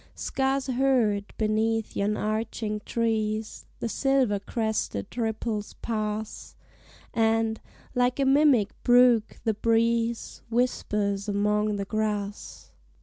Scarce heard, beneath yon arching trees, The silver crested ripples pass; And, like a mimic brook, the breeze Whispers among the grass.